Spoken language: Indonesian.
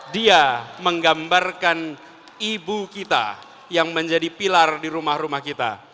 dia menggambarkan ibu kita yang menjadi pilar di rumah rumah kita